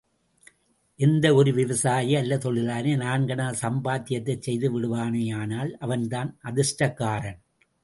எந்த ஒரு விவசாயி அல்லது தொழிலாளி, நான்கணா சம்பாத்யத்தை செய்து விடுவானேயானால், அவன்தான் அதிர்ஷ்டக்காரன்.